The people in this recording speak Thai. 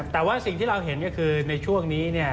แต่ว่าสิ่งที่เราเห็นก็คือในช่วงนี้เนี่ย